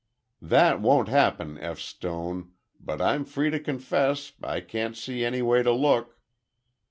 "That won't happen, F. Stone, but I'm free to confess, I can't see any way to look."